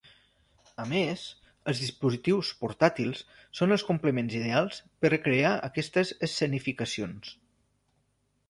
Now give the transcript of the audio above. A més, els dispositius portàtils són els complements ideals per recrear aquestes escenificacions.